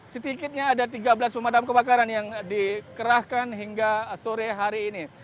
sedikitnya ada tiga belas pemadam kebakaran yang dikerahkan hingga sore hari ini